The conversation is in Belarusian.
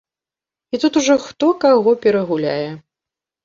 І тут ужо хто каго перагуляе.